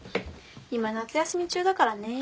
今夏休み中だからねぇ。